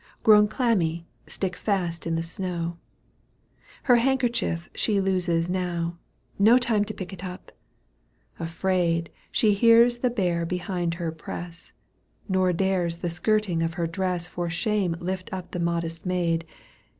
Grown clammy, stick fast in the snow ; Her handkerchief she loses now ; No time to pick it up ! afraid, She hears the bear behind her press, Nor dares the skirting of her dress For shame lift up the modest maid.